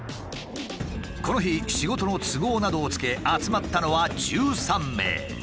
この日仕事の都合などをつけ集まったのは１３名。